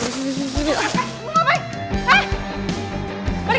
lo mau balik